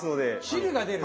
汁が出る？